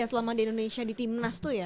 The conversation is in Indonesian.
selama di indonesia di timnas tuh ya